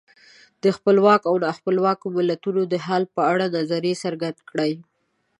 د خپلواکو او نا خپلواکو ملتونو د حال په اړه نظر څرګند کړئ.